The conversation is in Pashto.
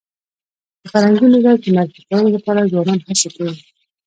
د فرهنګي میراث د معرفي کولو لپاره ځوانان هڅي کوي.